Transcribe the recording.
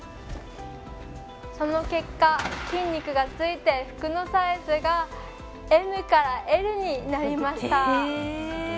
その結果、筋肉がついて服のサイズがＭからＬになりました。